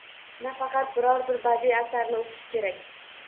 Nafaqat, biror bir badiiy asarni o‘qish kerak.